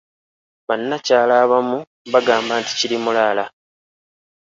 Bannakyala abamu bo bagamba nti "Kirimulaala"